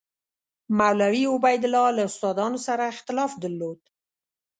مولوي عبیدالله له استادانو سره اختلاف درلود.